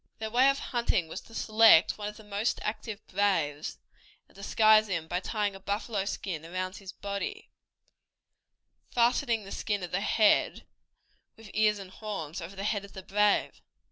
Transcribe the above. Their way of hunting was to select one of the most active braves, and disguise him by tying a buffalo skin around his body, fastening the skin of the head, with ears and horns, over the head of the brave.